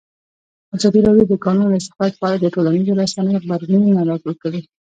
ازادي راډیو د د کانونو استخراج په اړه د ټولنیزو رسنیو غبرګونونه راټول کړي.